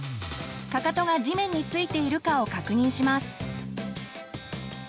かかとが地面に着いているかを確認します。